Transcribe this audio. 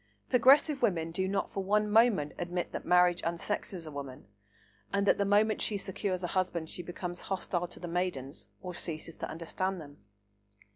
Progressive women do not for one moment admit that marriage unsexes a woman, and that the moment she secures a husband she becomes hostile to the maidens, or ceases to understand them.